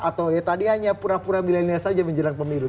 atau ya tadi hanya pura pura milenial saja menjelang pemilu